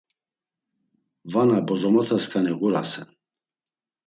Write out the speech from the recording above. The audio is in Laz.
“Vana bozomotasǩani ğurasen!”